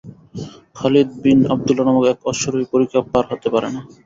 Khalid bin Abdullah নামক এক অশ্বারোহী পরিখা পার হতে পারে না।